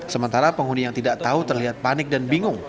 sementara penghuni yang tidak tahu terlihat panik dan bingung